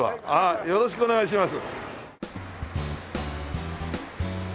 よろしくお願いします。